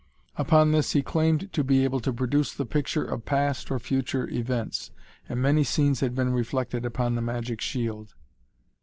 Upon this he claimed to be able to produce the picture of past or future events, and many scenes had been reflected upon the magic shield.